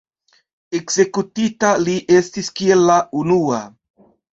Ekzekutita li estis kiel la unua.